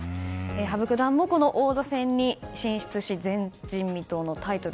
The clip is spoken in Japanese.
羽生九段も、この王座戦に進出し前人未到のタイトル